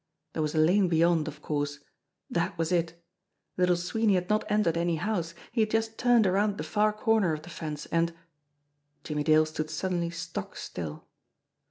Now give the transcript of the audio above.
There was a lane beyond, of course that was it! Little Sweeney had not entered any house; he had just turned around the far corner of the fence, and Jimmie Dale stood suddenly stock still.